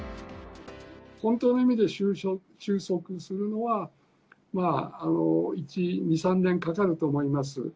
本当の意味で収束するのは、２、３年かかると思います。